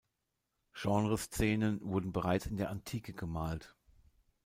Genreszenen wurden bereits in der Antike gemalt.